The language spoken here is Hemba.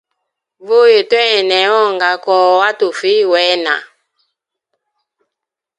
Vuya twene onga kowa watufa wena.